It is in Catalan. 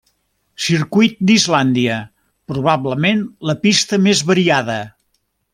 Circuit d'Islàndia, probablement la pista més variada.